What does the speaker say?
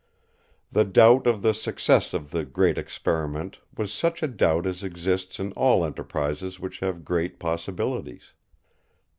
The doubt of the success of the Great Experiment was such a doubt as exists in all enterprises which have great possibilities.